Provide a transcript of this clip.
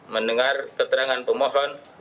mendengar keterangan pemohon